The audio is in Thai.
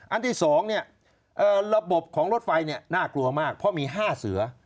อันที่๒ระบบของรถไฟน่ากลัวมากเพราะมี๕เสือ